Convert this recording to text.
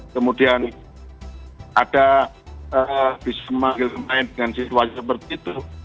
kemudian ada bisa memanggil pemain dengan situasi seperti itu